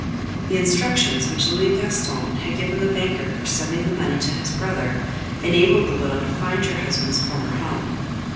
The instructions which Louis Gaston had given the banker for sending the money to his brother enabled the widow to find your husband's former home.